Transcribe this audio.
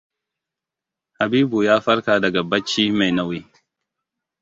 Habibu ya farka daga barci mai nauyi.